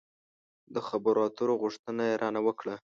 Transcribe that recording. د خبرو اترو غوښتنه يې را نه وکړه.